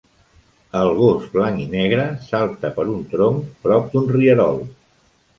El gos blanc i negre salta per un tronc prop d'un rierol.